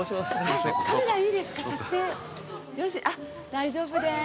大丈夫です。